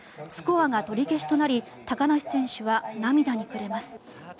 スコアが取り消しとなり高梨選手は涙に暮れます。